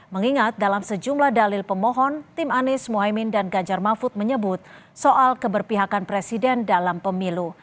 mengingat dalam sejumlah dalil pemohon tim anies mohaimin dan ganjar mahfud menyebut soal keberpihakan presiden dalam pemilu